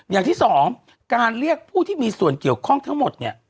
อย่างที่สองการเรียกผู้ที่มีส่วนเกี่ยวข้องทั้งหมดเนี่ย